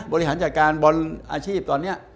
บริหารจัดการบอลอาชีพตอนนี้